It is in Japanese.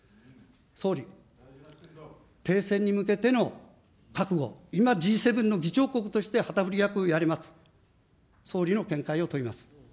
総理、停戦に向けての覚悟、今、Ｇ７の議長国として旗振り役をやります、総理の見解を問います。